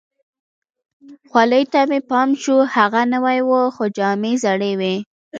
خولۍ ته مې پام شو، هغه نوې وه، خو جامې زړې وي.